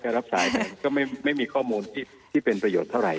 รับสายมันก็ไม่มีข้อมูลที่เป็นประโยชน์เท่าไห